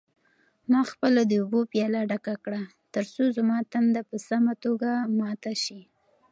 ما خپله د اوبو پیاله ډکه کړه ترڅو زما تنده په سمه ماته شي.